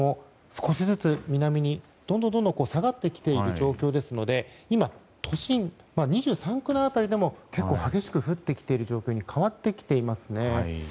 少しずつ南へどんどん下がってきている状況ですので今、都心部、２３区内辺りでも結構激しく降ってきている状況に変わってきていますね。